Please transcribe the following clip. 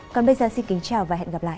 còn bây giờ xin kính chào và hẹn gặp lại